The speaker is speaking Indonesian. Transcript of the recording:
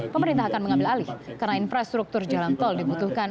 pemerintah akan mengambil alih karena infrastruktur jalan tol dibutuhkan